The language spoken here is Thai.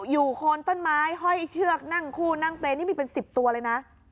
โคนต้นไม้ห้อยเชือกนั่งคู่นั่งเปรย์นี่มีเป็น๑๐ตัวเลยนะ